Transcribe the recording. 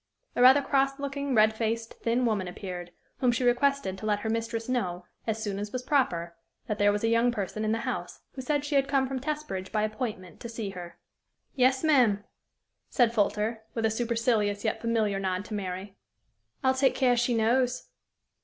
"' A rather cross looking, red faced, thin woman appeared, whom she requested to let her mistress know, as soon as was proper, that there was a young person in the house who said she had come from Testbridge by appointment to see her. "Yes, ma'am," said Folter, with a supercilious yet familiar nod to Mary; "I'll take care she knows."